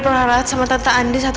selalu bikin tante kesal